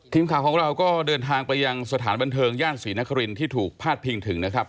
ทีมข่าวของเราก็เดินทางไปยังสถานบันเทิงย่านศรีนครินที่ถูกพาดพิงถึงนะครับ